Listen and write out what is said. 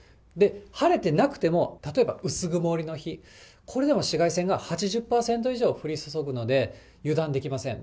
晴れてなくても、例えば薄曇りの日、これでも紫外線が８０％以上降り注ぐので、油断できません。